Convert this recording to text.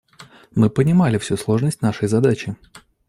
Мы понимали всю сложность нашей задачи.